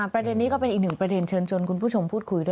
ประเด็นนี้ก็เป็นอีกหนึ่งประเด็นเชิญชวนคุณผู้ชมพูดคุยด้วย